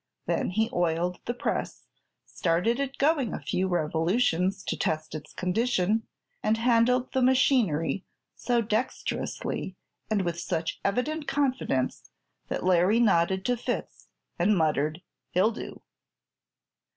Then he oiled the press, started it going a few revolutions, to test its condition, and handled the machinery so dexterously and with such evident confidence that Larry nodded to Fitz and muttered, "He'll do."